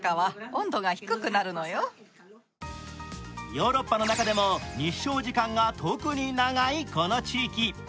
ヨーロッパの中でも日照時間が特に長いこの地域。